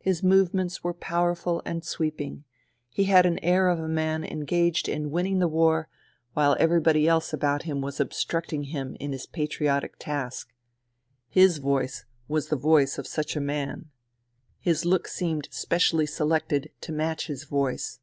His movements were powerful and sweeping. He had the air of a man engaged in winning the war while everybody else about him was obstructing him in his patriotic task. His voice was the voice of such a man. His look seemed specially selected to match his voice.